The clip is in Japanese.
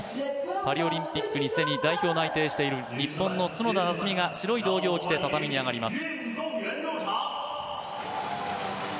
パリオリンピックに既に代表内定している角田夏実が白い道着を着て畳に上がります。